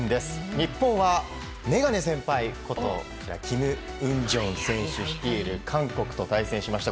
日本はメガネ先輩ことキム・ウンジョン選手率いる韓国と対戦しました。